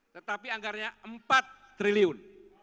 tetapi anggarnya empat triliun